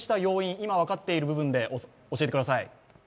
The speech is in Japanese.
今、分かっている部分で教えてください。